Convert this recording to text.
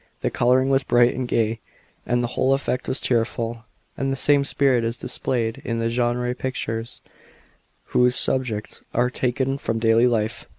The colouring was bright and gay, and the whole eff« ct was cheerful ; and the same spirit is displayed iu the genre pictures, whose subjects are taken from daily life.